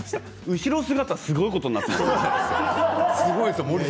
後ろ姿がすごいことになっています